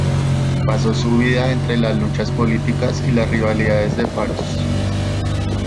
Pasó su vida entre las luchas políticas y las rivalidades de Paros.